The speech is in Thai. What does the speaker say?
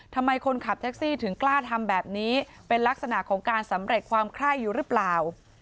ทำไมคนขับแท็กซี่ถึงกล้าทำแบบนี้เป็นลักษณะของการสำเร็จความไข้อยู่หรือเปล่า